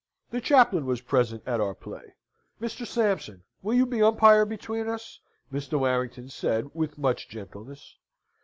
"The chaplain was present at our play. Mr. Sampson, will you be umpire between us?" Mr. Warrington said, with much gentleness.